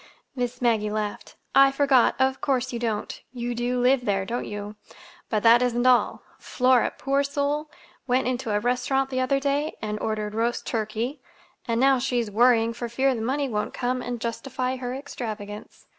Miss Maggie laughed. "I forgot. Of course you don't. You do live there, don't you? But that isn't all. Flora, poor soul, went into a restaurant the other day and ordered roast turkey, and now she's worrying for fear the money won't come and justify her extravagance.